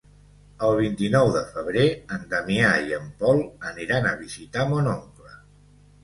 El vint-i-nou de febrer en Damià i en Pol aniran a visitar mon oncle.